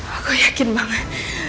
aku yakin banget